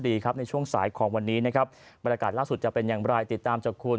ดีครับในช่วงสายของวันนี้นะครับบรรยากาศล่าสุดจะเป็นอย่างไรติดตามจากคุณ